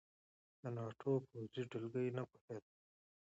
د ناټو پوځي دلګۍ نه پوهېده.